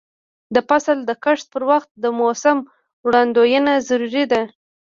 د فصل د کښت پر وخت د موسم وړاندوینه ضروري ده.